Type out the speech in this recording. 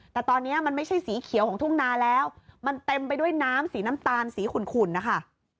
แต่ตอนนี้มันไม่ใช่สีเขียวของทุ่งนาแล้วมันเต็มไปด้วยน้ำสีน้ำตาลสีขุ่นนะคะ